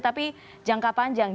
tapi jangka panjang